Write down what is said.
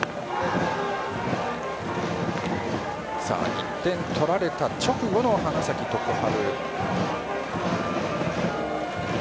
１点取られた直後の花咲徳栄。